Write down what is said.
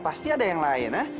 pasti ada yang lain ya